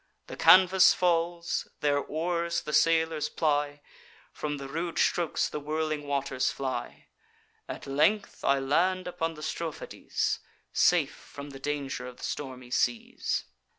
The canvas falls; their oars the sailors ply; From the rude strokes the whirling waters fly. At length I land upon the Strophades, Safe from the danger of the stormy seas.